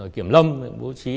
kiểm lâm bố trí